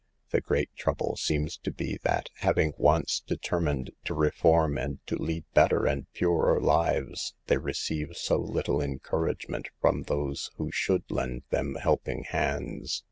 The great trouble seems to be that, having once determined to reform and to lead better and purer lives, they receive so little encouragement from those who should lend them helping hands.